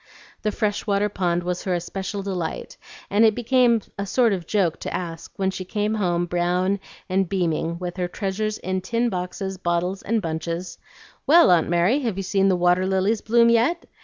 The fresh water pond was her especial delight, and it became a sort of joke to ask, when she came home brown and beaming with her treasures in tin boxes, bottles, and bunches, "Well, Aunt Mary, have you seen the water lilies bloom yet?"